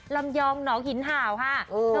ลำยองหนองหินห่าวค่ะ